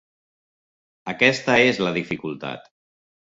Aquesta és la dificultat.